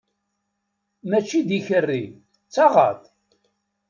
Mačči d ikerri, d taɣaṭ!